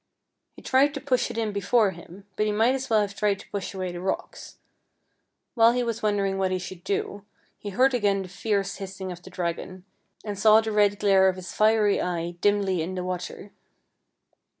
He tried to push it in before him, but he might as well have tried to push away the rocks. While he was wondering what lie should do, he heard again the fierce hissing of the dragon, and saw the red glare of his fiery eye dimly in the water.